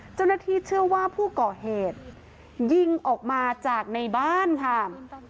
เจ้าหน้าที่เชื่อว่าผู้ก่อเหตุยิงออกมาจากในบ้านค่ะ